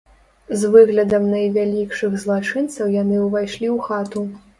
З выглядам найвялікшых злачынцаў яны ўвайшлі ў хату.